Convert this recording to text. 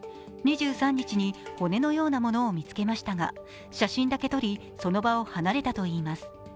２３日に骨のようなものを見つけましたが、写真だけ撮りその場を離れたといいます。